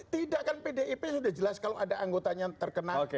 tidak kan pdi p sudah jelas kalau ada anggotanya yang terkena